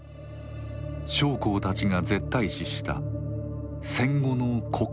将校たちが絶対視した戦後の国体の護持。